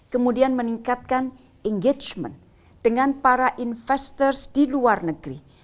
kemudian meningkatkan engagement dengan para investors di luar negeri